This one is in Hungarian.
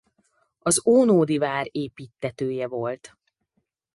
Az ónodi vár építtetője volt.